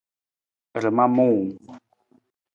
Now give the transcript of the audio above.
Rama muuwung.